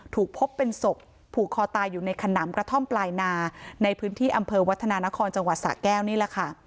ถูกพบเป็นศพผูกคอตายอยู่ในขนำกระท่อมปลายนาในพื้นที่อำเภอวัฒนานครจังหวัดสะแก้วนี่แหละค่ะ